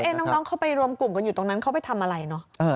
น้องเขาไปรวมกลุ่มกันอยู่ตรงนั้นเขาไปทำอะไรเนอะ